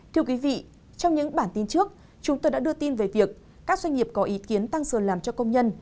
thưa quý vị trong những bản tin trước chúng tôi đã đưa tin về việc các doanh nghiệp có ý kiến tăng giờ làm cho công nhân